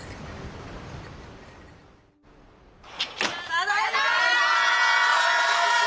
ただいま！